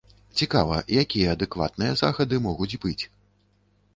Цікава, якія адэкватныя захады могуць быць?